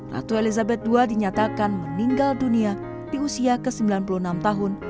ratu elizabeth ii dinyatakan meninggal dunia di usia ke sembilan puluh enam tahun